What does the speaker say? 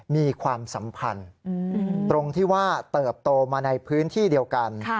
มีความสัมพันธ์ตรงที่ว่าเติบโตมาในพื้นที่เดียวกัน